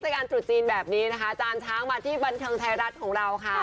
การตรุษจีนแบบนี้นะคะอาจารย์ช้างมาที่บันเทิงไทยรัฐของเราค่ะ